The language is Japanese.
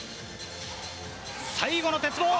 最後の鉄棒。